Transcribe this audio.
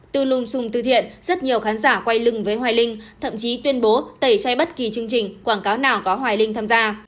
từ lùm xùm tư thiện rất nhiều khán giả quay lưng với hoài linh thậm chí tuyên bố tẩy chay bất kỳ chương trình quảng cáo nào có hoài linh tham gia